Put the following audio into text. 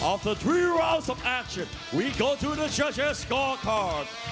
หลังจาก๓ราวน์ของการต่อไปเราจะไปที่เจ้าเชียร์สกอร์คาร์ด